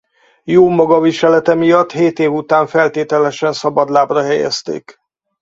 Jó magaviselete miatt hét év után feltételesen szabadlábra helyezték.